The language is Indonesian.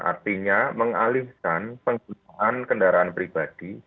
artinya mengalihkan penggunaan kendaraan pribadi